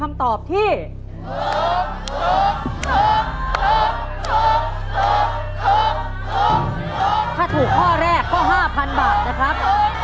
ถ้าถูกข้อแรกก็๕๐๐๐บาทนะครับ